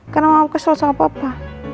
kenapa kesel sama papa